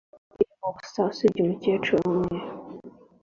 Bisi yari irimo ubusa usibye umukecuru umwe